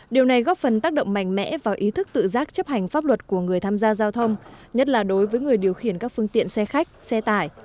điều này góp phần tác động mạnh mẽ vào ý thức tự giác chấp hành pháp luật của người tham gia giao thông nhất là đối với người điều khiển các phương tiện xe khách xe tải